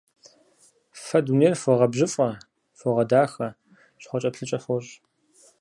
Фэ дунейр фогъэбжьыфӀэ, фогъэдахэ, щхъуэкӀэплъыкӀэ фощӀ.